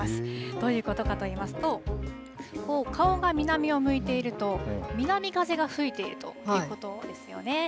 どういうことかと言いますと顔が南を向いていると南風が吹いているということですよね。